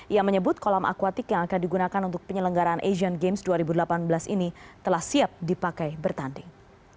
ia menyebut kolam akuatik yang akan digunakan untuk penyelenggaran asian games dua ribu delapan belas ini telah siap dipakai bertanding